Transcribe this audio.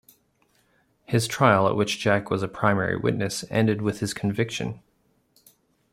His trial, at which Jack was a primary witness, ended with his conviction.